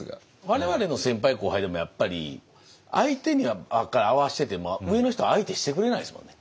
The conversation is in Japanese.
我々の先輩後輩でもやっぱり相手にばっかり合わせてても上の人は相手してくれないですもんね。